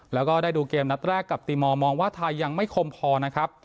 แล้วก็ได้ดูเกมนัดแรกกับตีมอลมองว่าไทยยังไม่คมพอนะครับ